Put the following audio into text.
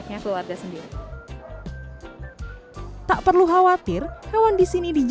hai tak perlu khawatir hewan di sini dijamin kesehatannya dan tetap rama kepada mereka dan selalu meng galaxy deine muscles with said factory